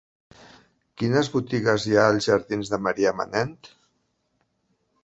Quines botigues hi ha als jardins de Marià Manent?